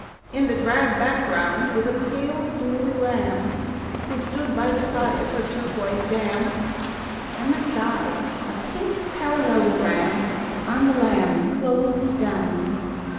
In the drab background was a pale blue lamb Who stood by the side of her turquoise dam, And the sky a pink parallelogram On the lamb closed down.